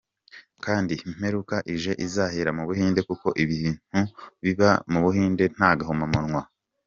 kandi imperuka ije izahera mubuhinde kuko ibintu biba mubuhinde nagahomamunwa.